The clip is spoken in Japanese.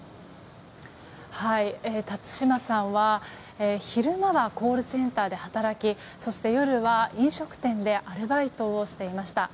辰島さんは昼間はコールセンターで働きそして夜は、飲食店でアルバイトをしていました。